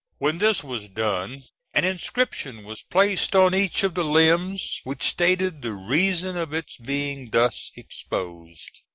When this was done, "an inscription was placed on each of the limbs, which stated the reason of its being thus exposed."